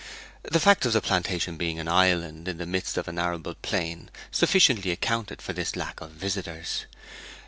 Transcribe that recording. The fact of the plantation being an island in the midst of an arable plain sufficiently accounted for this lack of visitors.